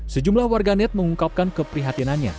sejumlah warganet mengungkapkan keprihatinannya